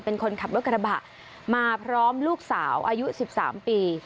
เป็นคนขับรถกระบะมาพร้อมลูกสาวอายุ๑๓ปี